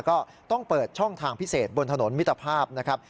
ก็ต้องเปิดช่องทางพิเศษบนถนนมิตรภาพนะครับ